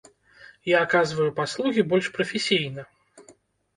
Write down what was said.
Я аказваю паслугі больш прафесійна.